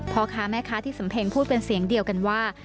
พ่อค้าแม่ค้าที่สำเพ็งพูดเป็นเสียงเดียวกันว่า